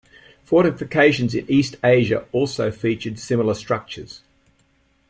Fortifications in East Asia also featured similar structures.